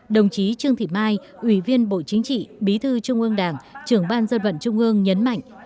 đồng chí trương thị mai ủy viên bộ chính trị bí thư trung ương đảng trưởng ban dân vận trung ương nhấn mạnh